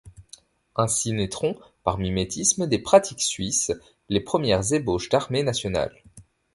Ainsi naîtront, par mimétisme des pratiques suisses, les premières ébauches d'armées nationales.